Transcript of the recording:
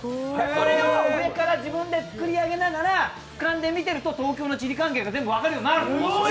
上から、自分で作り上げながらふかんで見ると東京の地理関係が全部分かるようになる。